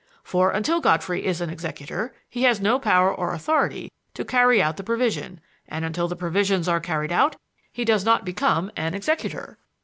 For until Godfrey is an executor, he has no power or authority to carry out the provision; and until the provisions are carried out, he does not become an executor."